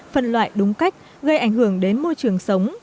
phân loại đúng cách gây ảnh hưởng đến môi trường sống